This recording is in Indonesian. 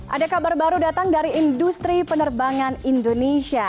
ada kabar baru datang dari industri penerbangan indonesia